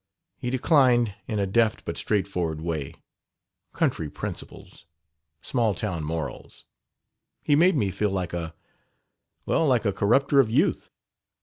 He declined in a deft but straightforward way. Country principles. Small town morals. He made me feel like a well, like a corrupter of youth."